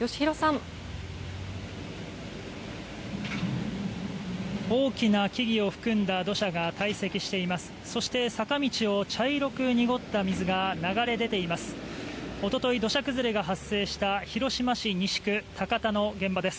そして、坂道を茶色く濁った水が流れ出ています。